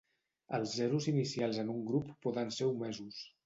Els zeros inicials en un grup poden ser omesos.